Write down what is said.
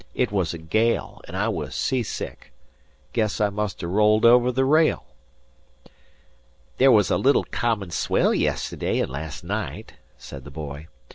"It was a gale, and I was seasick. Guess I must have rolled over the rail." "There was a little common swell yes'day an' last night," said the boy.